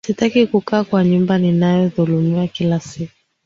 Sitaki kukaa kwa nyumba ninayo dhulumiwa kila siku.